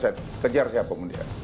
saya kejar siapapun dia